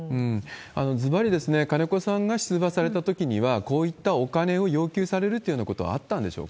ずばり、金子さんが出馬されたときには、こういったお金を要求されるというふうなことはあったんでしょう